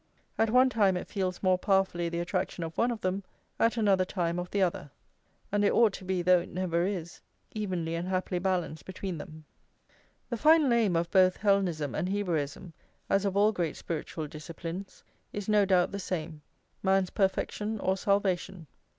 At one time it feels more powerfully the attraction of one of them, at another time of the other; and it ought to be, though it never is, evenly and happily balanced between them. The final aim of both Hellenism and Hebraism, as of all great spiritual disciplines, is no doubt the same: man's perfection or salvation.